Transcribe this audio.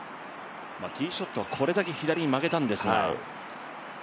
ティーショットをこれだけ左に曲げたんですから。